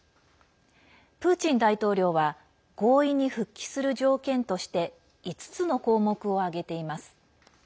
プーチン大統領は合意に復帰する条件として５つの項目を挙げています。